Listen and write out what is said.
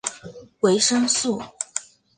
维生素。